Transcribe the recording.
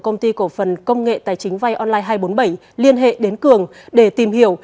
công ty cổ phần công nghệ tài chính vay online hai trăm bốn mươi bảy liên hệ đến cường để tìm hiểu